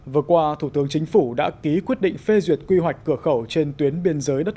vừa qua thủ tướng chính phủ đã ký quyết định phê duyệt quy hoạch cửa khẩu trên tuyến biên giới đất